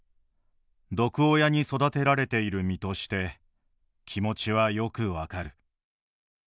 毒親に育てられている身として気持ちは、よく分かる」。